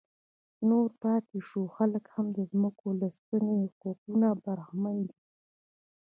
نور پاتې شوي خلک هم د ځمکو له سنتي حقونو برخمن دي.